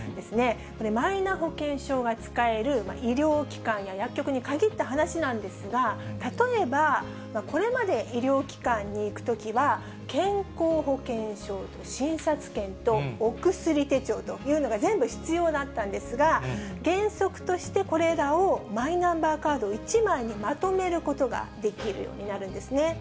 マイナ保険証が使える医療機関や薬局に限った話なんですが、例えばこれまで医療機関に行くときは、健康保険証と診察券と、お薬手帳というのが全部必要だったんですが、原則としてこれらをマイナンバーカード１枚にまとめることができるようになるんですね。